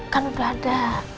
kan udah ada